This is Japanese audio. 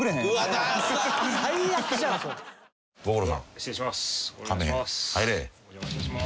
失礼します。